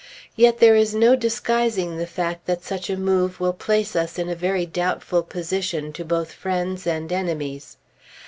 Yet there is no disguising the fact that such a move will place us in a very doubtful position to both friends and enemies.